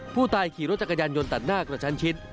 ผู้ตายขี่รถจักรยานยนต์ตัดหน้ากระชั้นชิด